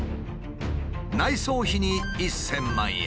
内装費に１，０００万円。